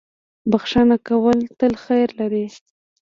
• بښنه کول تل خیر لري.